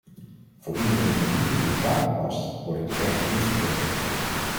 Voor iedereen die niet in dit kader past, worden de rechten niet verbeterd.